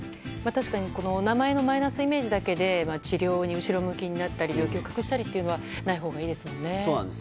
確かに名前のマイナスイメージだけで治療に後ろ向きになったり病気を隠したりというのはないほうがいいですものね。